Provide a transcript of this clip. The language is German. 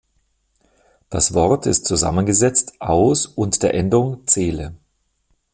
Das Wort ist zusammengesetzt aus und der Endung -zele.